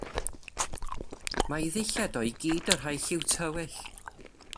Mae 'i ddillad o i gyd yn rhai lliw tywyll.